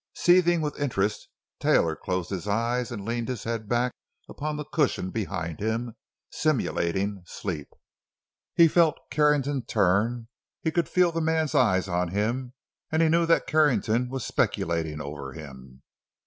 Seething with interest, Taylor closed his eyes and leaned his head back upon the cushion behind him, simulating sleep. He felt Carrington turn; he could feel the man's eyes on him, and he knew that Carrington was speculating over him.